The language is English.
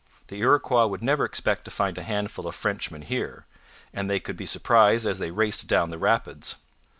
The Iroquois would never expect to find a handful of Frenchmen here, and they could be surprised as they raced down the rapids.